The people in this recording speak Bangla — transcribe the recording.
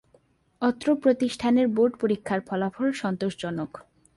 অত্র প্রতিষ্ঠানের বোর্ড পরীক্ষার ফলাফল সন্তোষজনক।